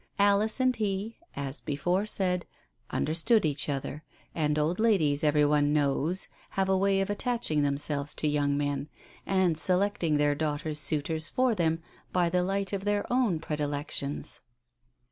Alice and he, as before said, understood each other, and old ladies, every one knows, have a way of attaching them selves to young men, and selecting their daughters' suitors for them by the light of their own predilections.